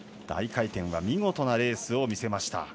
大回転は見事なレースを見せました。